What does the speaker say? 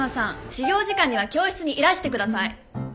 始業時間には教室にいらしてください。